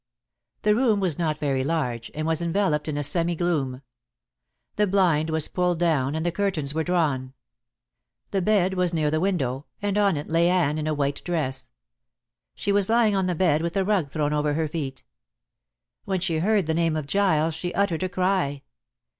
The room was not very large, and was enveloped in a semi gloom. The blind was pulled down, and the curtains were drawn. The bed was near the window, and on it lay Anne in a white dress. She was lying on the bed with a rug thrown over her feet. When she heard the name of Giles she uttered a cry.